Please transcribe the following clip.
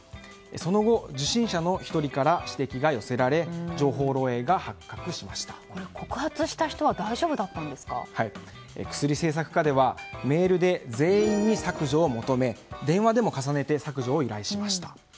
その後、受信者の１人から指摘が寄せられ告発した人はくすり政策課ではメールで全員に削除を求め電話でも重ねて削除を依頼ました。